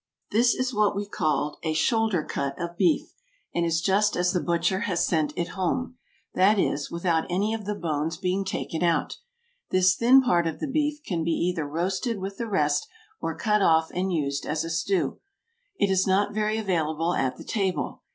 This is what is called a shoulder cut of beef, and is just as the butcher has sent it home, that is, without any of the bones being taken out. This thin part of the beef can be either roasted with the rest or cut off and used as a stew. It is not very available at the table.